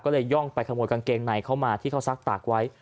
ก็เลยย่องไปขโมยกางเกงในเข้ามาที่เขาซักตากไว้